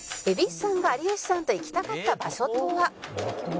「蛭子さんが有吉さんと行きたかった場所とは？」